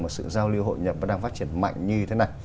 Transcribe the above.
một sự giao lưu hội nhập vẫn đang phát triển mạnh như thế này